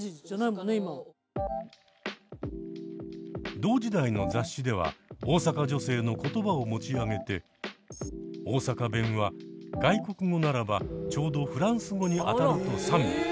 同時代の雑誌では大阪女性の言葉を持ち上げて「大阪弁は外国語ならば丁度フランス語にあたる」と賛美。